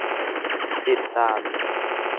ติดตาม